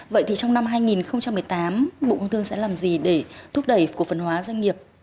vậy thì trong năm hai nghìn một mươi tám bộ công thương sẽ làm gì để thúc đẩy cổ phần hóa doanh nghiệp